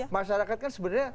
masyarakat kan sebenarnya